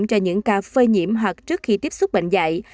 trước khi tiêm chủng cho những ca phê nhiễm hoặc trước khi tiếp xúc bệnh dạy